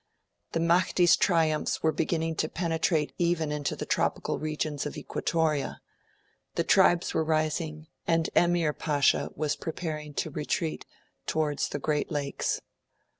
The Mahdi's triumphs were beginning to penetrate even into the tropical regions of Equatoria; the tribes were rising, and Emir Pasha was preparing to retreat towards the Great Lakes.